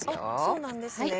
そうなんですね。